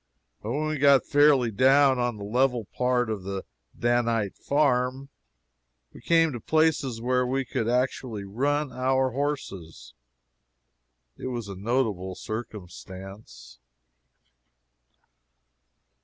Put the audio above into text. When we got fairly down on the level part of the Danite farm, we came to places where we could actually run our horses. It was a notable circumstance.